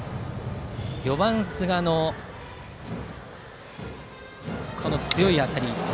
４番、寿賀の強い当たり。